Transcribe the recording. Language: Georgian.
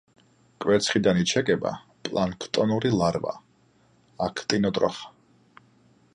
კვერცხიდან იჩეკება პლანქტონური ლარვა—აქტინოტროხა.